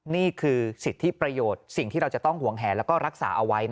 นี่คือสิทธิประโยชน์สิ่งที่เราจะต้องห่วงแห่แล้วก็รักษาเอาไว้